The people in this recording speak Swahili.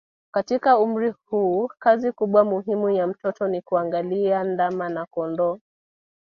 Katika umri huu kazi kubwa muhimu ya mtoto ni kuangalia ndama na kondoo